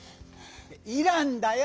「イラン」だよ！